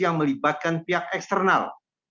yang melibatkan pihak eksternal